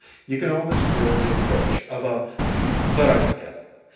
You can always feel the approach of a but I forget.